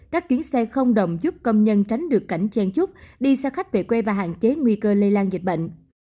các chuyến xe không đồng giúp công nhân tránh được cảnh chen chúc đi xe khách về quê và hạn chế nguy cơ lây lan dịch bệnh